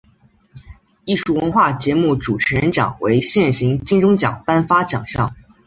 艺术文化节目主持人奖为现行金钟奖颁发奖项。